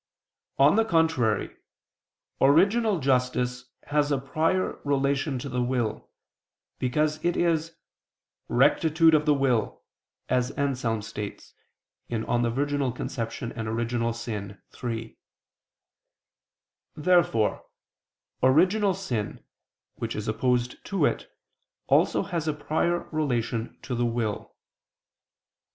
On the contrary, Original justice has a prior relation to the will, because it is "rectitude of the will," as Anselm states (De Concep. Virg. iii). Therefore original sin, which is opposed to it, also has a prior relation to the will.